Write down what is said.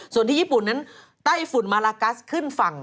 ส่วนที่ญี่ปุ่นนั้นไต้ฝุ่นมาลากัสขึ้นฝั่ง